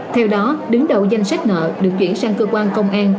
theo đó đứng đầu danh sách nợ được chuyển sang cơ quan công an